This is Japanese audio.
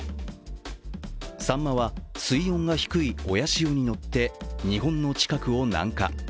さんまは水温が低い親潮にのって日本の近くを南下。